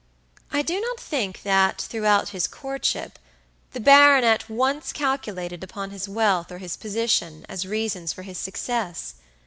I do not think that, throughout his courtship, the baronet once calculated upon his wealth or his position as reasons for his success.